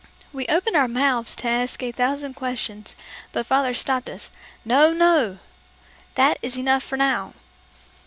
We opened our mouths to ask a thousand questions, but father stopped us. "No, no! That is enough for now!